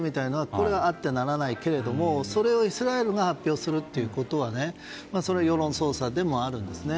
それはあってはならないけれどもそれをイスラエルが発表するということは世論操作でもあるんですよね。